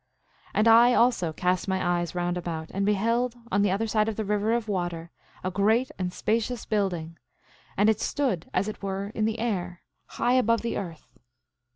8:26 And I also cast my eyes round about, and beheld, on the other side of the river of water, a great and spacious building; and it stood as it were in the air, high above the earth.